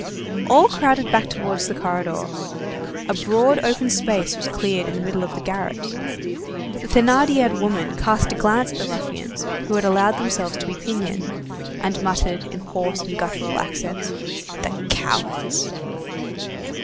All crowded back towards the corridor. A broad open space was cleared in the middle of the garret. The Thénardier woman cast a glance at the ruffians who had allowed themselves to be pinioned, and muttered in hoarse and guttural accents:— "The cowards!"